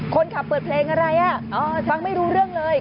เปิดเพลงอะไรฟังไม่รู้เรื่องเลย